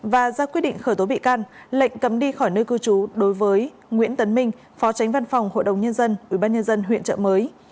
và ra quyết định khởi tố bị can lệnh cấm đi khỏi nơi cư trú đối với nguyễn tấn minh phó tránh văn phòng hội đồng nhân dân ubnd huyện trợ mới